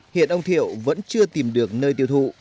hiện ông thiệu vẫn chưa tìm được nơi tiêu thụ